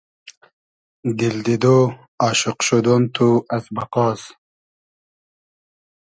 دیل دیدۉ ، آشوق شودۉن تو از بئقاس